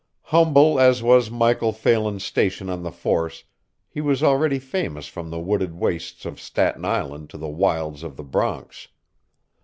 Humble as was Michael Phelan's station on the force, he was already famous from the wooded wastes of Staten Island to the wilds of the Bronx.